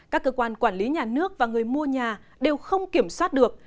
các cơ quan quản lý nhà nước và người mua nhà đều không kiểm soát được